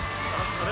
あれ？